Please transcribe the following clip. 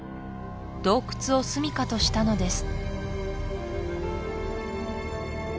洞窟をすみかとしたのです